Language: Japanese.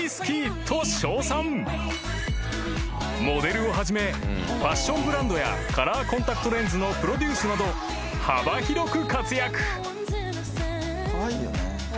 ［モデルをはじめファッションブランドやカラーコンタクトレンズのプロデュースなど幅広く活躍］